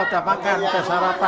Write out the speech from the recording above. udah makan udah sarapan